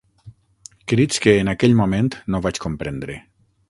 Crits que, en aquell moment, no vaig comprendre